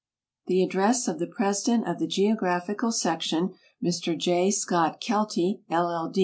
The address of the President of the Geographical Section, Mr J. Scott Keltic, I.L.